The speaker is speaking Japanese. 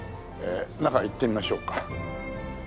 中行ってみましょうか。